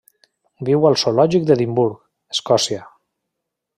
Viu al zoològic d'Edimburg, Escòcia.